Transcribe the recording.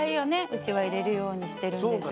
うちはいれるようにしてるんです。